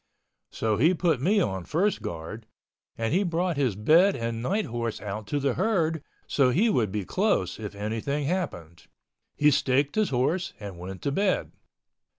So he put me on first guard, and he brought his bed and night horse out to the herd so he would be close if anything happened. He staked his horse and went to bed.